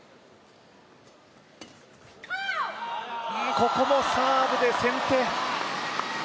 ここもサーブで先手。